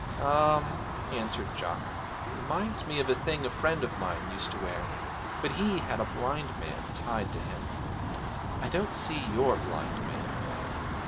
'Um,' answered Jock; 'reminds me of a thing a friend of mine used to wear. But he had a blind man tied to him. I don't see your blind man.'